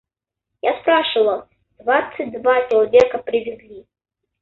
Я спрашивал: двадцать два человека привезли.